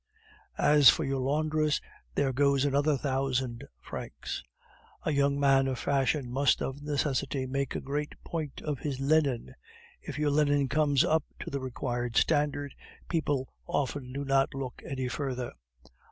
As for your laundress, there goes another thousand francs; a young man of fashion must of necessity make a great point of his linen; if your linen comes up to the required standard, people often do not look any further.